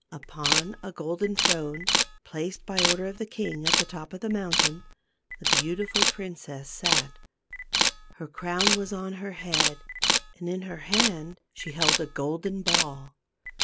Upon a golden throne, placed, by order of the king, at the top of the mountain, the beautiful princess sat. Her crown was on her head, and in her hand she held a golden ball.